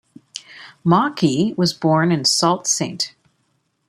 Maki was born in Sault Ste.